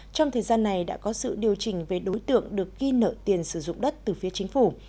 trong thời gian này đã có sự điều chỉnh về đối tượng được ghi nợ tiền sử dụng đất từ phía chính phủ